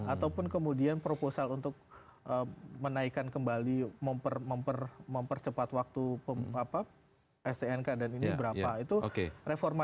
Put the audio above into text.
ataupun kemudian proposal untuk menaikan kembali mempercepat waktu stnk dan ini berapa